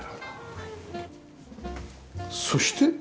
そして。